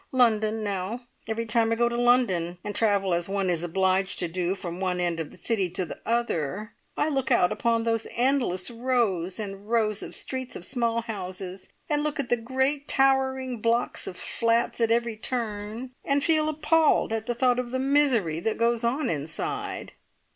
London, now! Every time I go to London, and travel as one is obliged to do from one end of the city to the other, I look out upon those endless rows and rows of streets of small houses, and at the great towering blocks of flats at every turn, and feel appalled at the thought of the misery that goes on inside!"